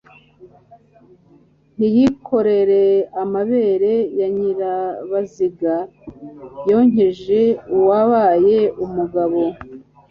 Ntiyikore amabere ya Nyirabaziga, Yonkeje uwabaye umugabo